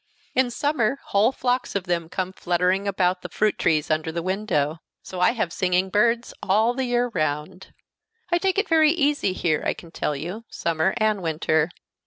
In summer whole flocks of them come fluttering about the fruit trees under the window: so I have singing birds all the year round. I take it very easy here, I can tell you, summer and winter.